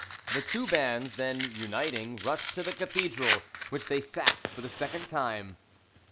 The two bands then uniting, rushed to the cathedral, which they sacked for the second time.